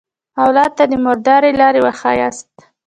اولاد ته د مردۍ لاره وښیاست.